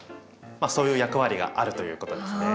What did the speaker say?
そういう役割があるということですね。